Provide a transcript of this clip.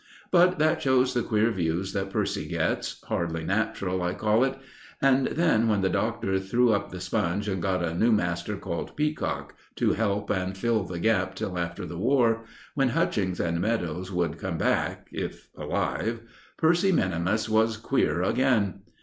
But that shows the queer views that Percy gets hardly natural, I call it. And then, when the Doctor threw up the sponge and got a new master called Peacock to help and fill the gap till after the War, when Hutchings and Meadows would come back, if alive, Percy minimus was queer again.